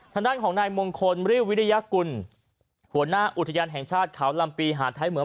ทางด้านของนายมงคลริววิริยกุลหัวหน้าอุทยานแห่งชาติเขาลำปีหาดท้ายเหมือง